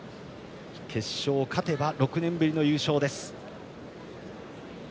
決勝勝てば６年ぶりの優勝です。